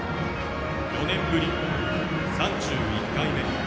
４年ぶり３１回目。